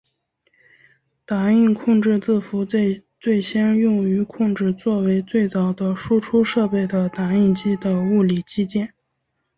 打印控制字符最先用于控制作为最早的输出设备的打印机的物理机件。